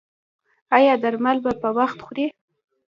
ایا درمل به په وخت خورئ؟